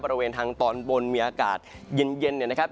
บริเวณทางตอนบนมีอากาศเย็นเนี่ยนะครับ